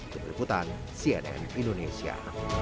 berkutan cnn indonesia